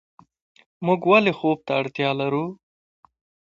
موږ ولې خوب ته اړتیا لرو